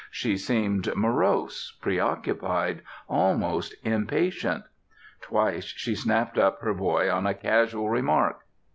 She seemed morose, preoccupied, almost impatient. Twice she snapped up her boy on a casual remark.